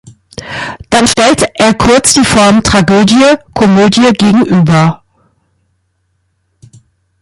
Dann stellt er kurz die Formen Tragödie, Komödie gegenüber.